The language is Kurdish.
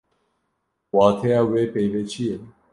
Wateya wê peyvê çi ye?